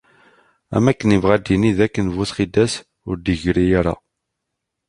Am akken ibɣa ad d-yini d akken bu txidas, ur d-igerri ara.